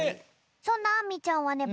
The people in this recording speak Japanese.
そんなあんみちゃんはね